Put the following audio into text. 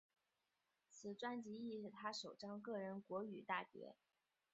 此专辑亦是他首张个人国语大碟。